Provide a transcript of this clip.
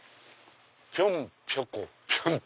「ぴょんぴょこぴょん」と。